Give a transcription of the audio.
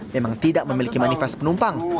memang tidak memiliki manifest penumpang